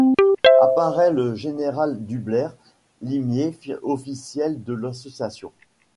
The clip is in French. Apparaît le général Dublair, limier officiel de l'association.